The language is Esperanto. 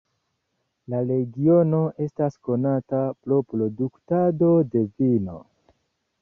La regiono estas konata pro produktado de vino.